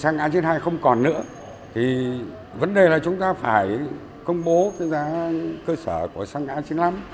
nếu xăng a chín mươi hai không còn nữa thì vấn đề là chúng ta phải công bố giá cơ sở của xăng ron chín mươi năm